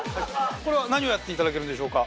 これは何をやっていただけるんでしょうか